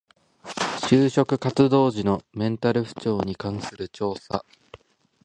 就職活動時のメンタル不調に関する調査